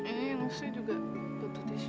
eh lu sih juga tutup tisu